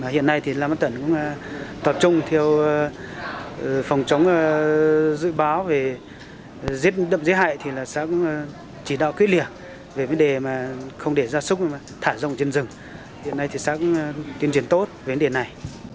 hiện nay thì lạp án tần cũng tập trung theo phòng chống dự báo về giết đậm giết hại thì xã cũng chỉ đạo quyết liệt về vấn đề mà không để gia súc mà thả rộng trên rừng hiện nay thì xã cũng tuyên truyền tốt về vấn đề này